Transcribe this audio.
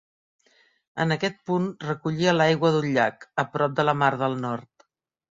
En aquest punt recollia l'aigua d'un llac, a prop de la mar del Nord.